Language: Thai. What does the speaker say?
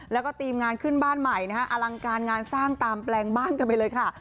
แล้วก็ทีมงานขึ้นบ้านใหม่นะฮะอลังการงานสร้างตามแปลงบ้านกันไปเลยค่ะ